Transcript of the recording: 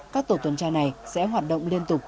các tổ tuần tra này sẽ hoạt động liên tục